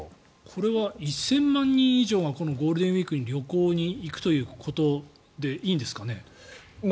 これは１０００万人以上がこのゴールデンウィークに旅行に行くということでいいんですかね？